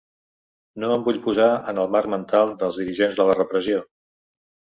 No em vull posar en el marc mental dels dirigents de la repressió.